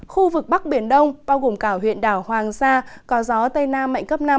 khu vực bắc biển đông bao gồm cả huyện đảo hoàng sa có gió tây nam mạnh cấp năm